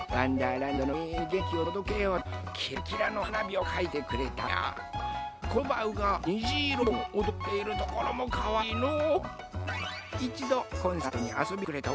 らんど」のみんなにげんきをとどけようとキラキラのはなびをかいてくれたえやコロバウが「にじいろリボン」をおどっているところもかわいいのう。